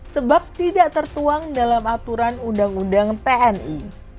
sebab tidak tertuang dalam aturan undang undang tni